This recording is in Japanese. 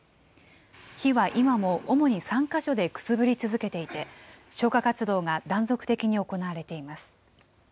火は今も主に３か所でくすぶり続けていて、消火活動が断続的に行われています。